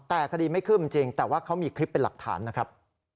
แต่คดีไม่คืบจริงแต่ว่าเขามีคลิปเป็นหลักฐานนะครับ